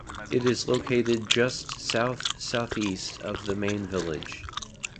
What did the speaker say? It is located just south-south east of the main village.